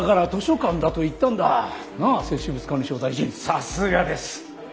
さすがです！